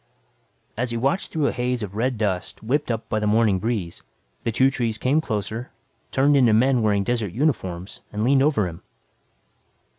As he watched through a haze of red dust whipped up by the morning breeze, the two trees came closer, turned into men wearing desert uniforms and leaned over him.